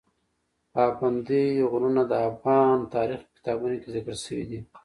پابندی غرونه د افغان تاریخ په کتابونو کې ذکر شوی دي.